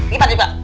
gimana tuh mbak